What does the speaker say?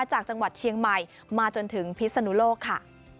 จากจังหวัดเชียงใหม่มาจนถึงพิศนุโลกค่ะ